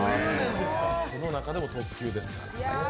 その中でも特級ですからね。